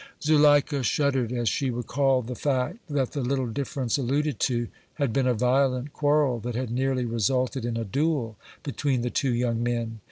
Zuleika shuddered as she recalled the fact that the little difference alluded to had been a violent quarrel that had nearly resulted in a duel between the two young men.